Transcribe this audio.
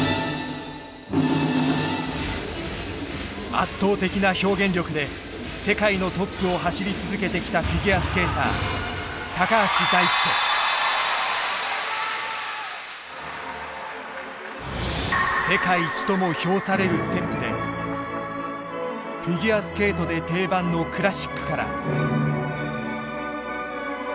圧倒的な表現力で世界のトップを走り続けてきたフィギュアスケーター世界一とも評されるステップでフィギュアスケートで定番のクラシックから。